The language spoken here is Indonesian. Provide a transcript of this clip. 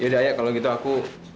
yaudah ayah kalau gitu aku